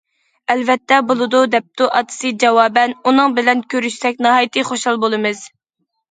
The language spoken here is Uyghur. ئەلۋەتتە بولىدۇ، دەپتۇ ئاتىسى جاۋابەن، ئۇنىڭ بىلەن كۆرۈشسەك ناھايىتى خۇشال بولىمىز.